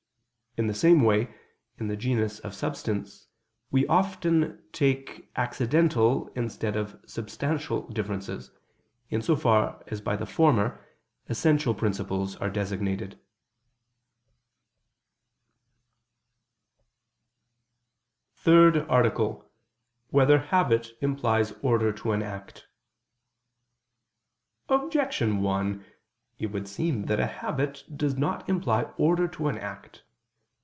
In the same way, in the genus of substance we often take accidental instead of substantial differences, in so far as by the former, essential principles are designated. ________________________ THIRD ARTICLE [I II, Q. 49, Art. 3] Whether Habit Implies Order to an Act? Objection 1: It would seem that habit does not imply order to an act.